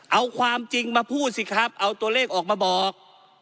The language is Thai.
เอาความจริงมาพูดสิครับเอาตัวเลขออกมาบอก